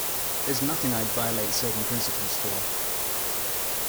There's nothing I'd violate certain principles for.